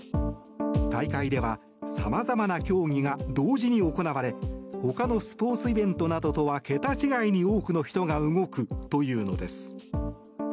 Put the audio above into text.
大会ではさまざまな競技が同時に行われ他のスポーツイベントなどとは桁違いに多くの人が動くというのです。